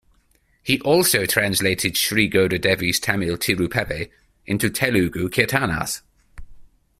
He also translated Sri Goda Devi's Tamil Tiruppavai into Telugu Keertanaas.